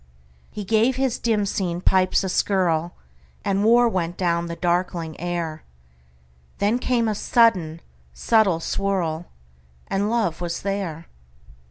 He gave his dim seen pipes a skirlAnd war went down the darkling air; Then came a sudden subtle swirl, And love was there.